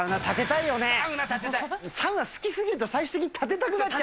サウナ好きすぎると最終的に建てたくなる。